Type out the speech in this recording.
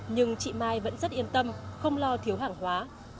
nhưng chị mai vẫn rất yên tâm không lo thiếu hàng hóa